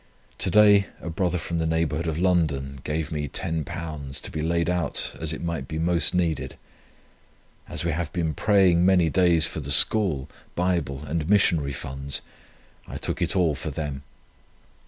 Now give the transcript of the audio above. To day a brother from the neighbourhood of London gave me £10, to be laid out as it might be most needed. As we have been praying many days for the School, Bible, and Missionary Funds, I took it all for them.